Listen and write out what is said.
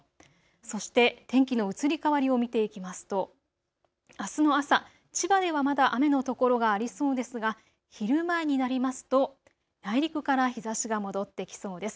そして天気の移り変わりを見ていきますとあすの朝、千葉ではまだ雨の所がありそうですが昼前になりますと内陸から日ざしが戻ってきそうです。